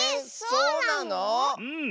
そうなの？